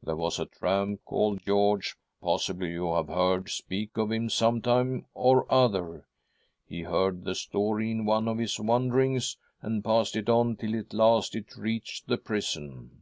There was a tramp called George — possibly you have heard speak of him, sometime or other ? He heard the story in one of his wanderings, and passed it on till at last it reached the prison."